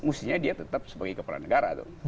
mestinya dia tetap sebagai kepala negara